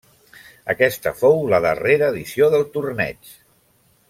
Aquesta fou la darrera edició del torneig.